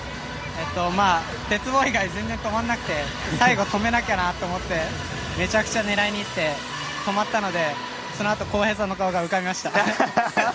鉄棒以外全然止まらなくて最後、止めなきゃなと思ってめちゃくちゃ狙いに行って止まったのでそのあと航平さんの顔が浮かびました。